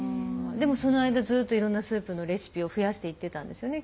でもその間ずっといろんなスープのレシピを増やしていってたんですよね？